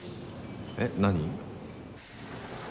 えっ何？